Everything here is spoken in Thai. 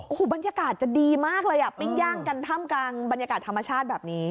โอ้โหบรรยากาศจะดีมากเลยอ่ะปิ้งย่างกันท่ามกลางบรรยากาศธรรมชาติแบบนี้